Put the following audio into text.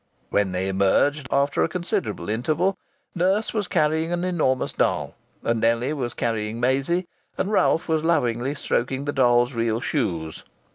When they emerged, after a considerable interval, nurse was carrying an enormous doll, and Nellie was carrying Maisie, and Ralph was lovingly stroking the doll's real shoes.